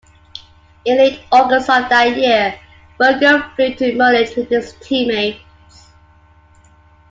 In late August of that year, Berger flew to Munich with his teammates.